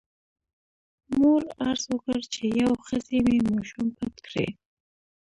مور عرض وکړ چې یوې ښځې مې ماشوم پټ کړی.